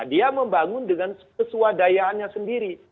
dia membangun dengan kesuadayaannya sendiri